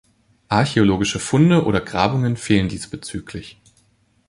Archäologische Funde oder Grabungen fehlen diesbezüglich.